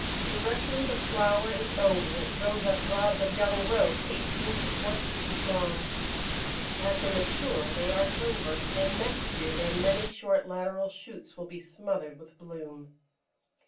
Directly the flower is over it throws up rods of young growth eighteen to twenty feet long; as they mature they arch over, and next year their many short lateral shoots will be smothered with bloom.